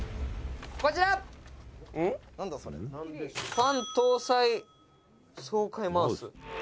「ファン搭載爽快マウス」